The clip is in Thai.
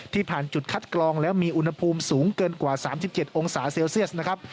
ผ่านจุดคัดกรองแล้วมีอุณหภูมิสูงเกินกว่า๓๗องศาเซลเซียสนะครับ